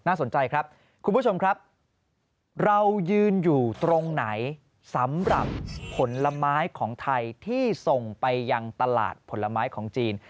สนใจครับคุณผู้ชมครับเรายืนอยู่ตรงไหนสำหรับผลไม้ของไทยที่ส่งไปยังตลาดผลไม้ของจีน